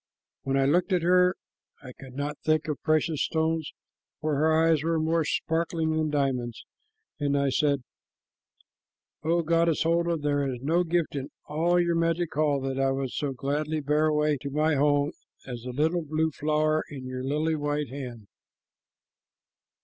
When I looked at her, I could not think of precious stones, for her eyes were more sparkling than diamonds, and I said: 'O goddess Holda, there is no gift in all your magic hall that I would so gladly bear away to my home as the little blue flower in your lily white hand.'"